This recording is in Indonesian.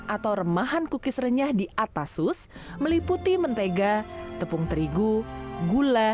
atau remahan kukis renyah di atas sus meliputi mentega tepung terigu gula